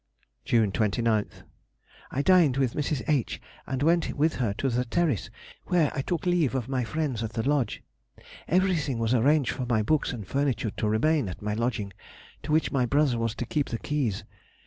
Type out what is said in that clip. June 29th.—I dined with Mrs. H. and went with her to the Terrace, where I took leave of my friends at the Lodge. Everything was arranged for my books and furniture to remain at my lodging, to which my brother was to keep the keys.